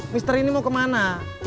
mister ini mau kemana